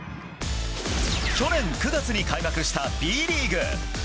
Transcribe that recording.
去年９月に開幕したＢリーグ。